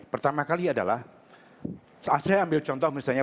pertama kali adalah saya ambil contoh misalnya